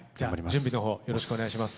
準備の方よろしくお願いします。